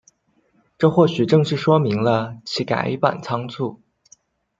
这或许正是说明了其改版仓促。